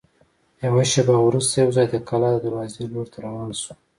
یوه شېبه وروسته یوځای د کلا د دروازې لور ته روان شوو.